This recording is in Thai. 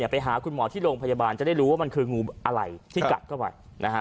ไปหาคุณหมอที่โรงพยาบาลจะได้รู้ว่ามันคืองูอะไรที่กัดเข้าไป